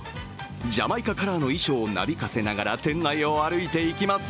ジャマイカカラーの衣装をなびかせながら店内を歩いていきます。